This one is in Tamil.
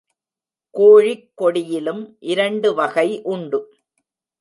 கோழிக் கொடியிலும் இரண்டு வகை உண்டு.